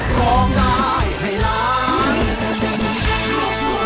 โฆ่งใจโฆ่งใจโฆ่งใจโฆ่งใจ